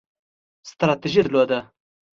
ستراتیژي درلوده